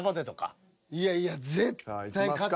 いやいや。